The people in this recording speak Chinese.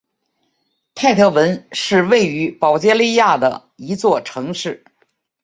泰特文是位于保加利亚的一座城市。